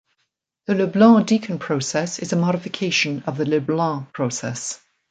The Leblanc-Deacon process is a modification of the Leblanc process.